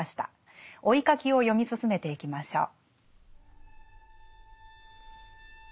「追ひ書き」を読み進めていきましょう。